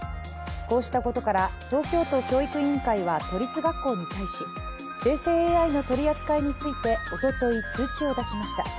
こうしたことから、東京都教育委員会は都立学校に対し生成ＡＩの取り扱いについておととい通知を出しました。